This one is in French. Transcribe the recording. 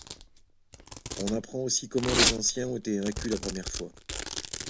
On apprend aussi comment les anciens ont été vaincus la première fois.